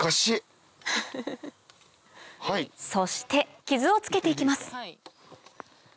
そして傷をつけて行きます